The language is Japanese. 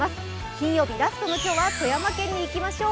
金曜日、ラストの今日は富山県にいきましょう。